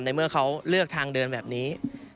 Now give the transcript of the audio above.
เมื่อเขาเลือกทางเดินแบบนี้